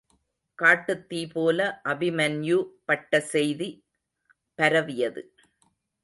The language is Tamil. காட்டுத் தீப்போல அபிமன்யு பட்ட செய்திபரவியது.